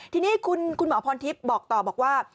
ทีนี้คุณหมอพรทิพย์บอกต่อบอกว่า